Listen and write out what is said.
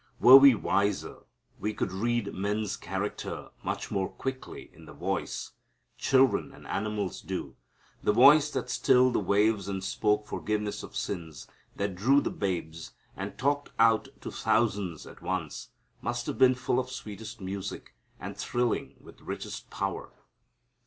Were we wiser we could read men's character much more quickly in the voice. Children and animals do. The voice that stilled the waves and spoke forgiveness of sins, that drew the babes, and talked out to thousands at once, must have been full of sweetest music and thrilling with richest power.